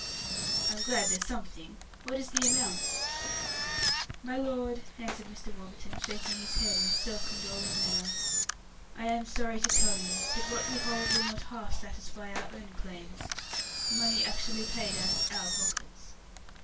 "I'm glad there's something. What is the amount?" "My lord," answered Mr. Warburton, shaking his head in a self condoling manner, "I am sorry to tell you that what we hold will not half satisfy our own claims; money actually paid out of our pockets."